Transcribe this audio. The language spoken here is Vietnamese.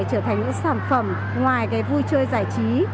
trở thành những sản phẩm ngoài cái vui chơi giải trí